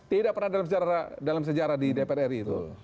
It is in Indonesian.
tidak pernah dalam sejarah di dpr ri itu